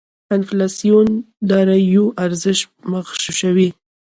انفلاسیون داراییو ارزش مغشوشوي.